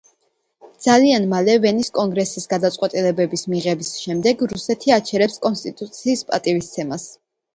ძალიან მალე ვენის კონგრესის გადაწყვეტილებების მიღების შემდეგ, რუსეთი აჩერებს კონსტიტუციის პატივისცემას.